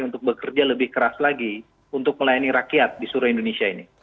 untuk bekerja lebih keras lagi untuk melayani rakyat di seluruh indonesia ini